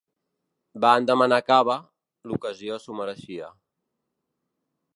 Van demanar cava: l'ocasió s'ho mereixia.